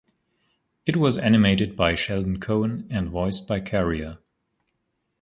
It was animated by Sheldon Cohen and voiced by Carrier.